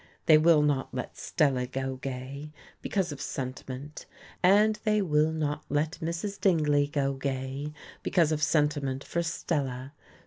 They will not let Stella go gay, because of sentiment; and they will not let Mrs. Dingley go gay, because of sentiment for Stella.